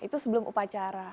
itu sebelum upacara